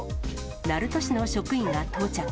鳴門市の職員が到着。